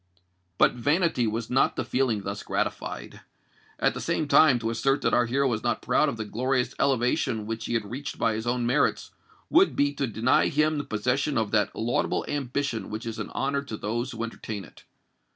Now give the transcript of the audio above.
But vanity was not the feeling thus gratified: at the same time, to assert that our hero was not proud of the glorious elevation which he had reached by his own merits, would be to deny him the possession of that laudable ambition which is an honour to those who entertain it.